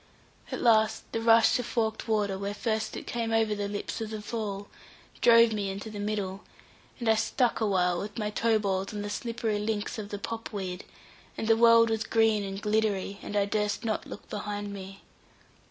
At last the rush of forked water, where first it came over the lips of the fall, drove me into the middle, and I stuck awhile with my toe balls on the slippery links of the pop weed, and the world was green and gliddery, and I durst not look behind me.